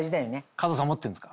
加藤さん持ってんですか？